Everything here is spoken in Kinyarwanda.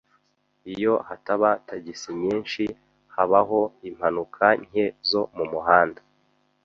Iyo hataba tagisi nyinshi, habaho impanuka nke zo mumuhanda.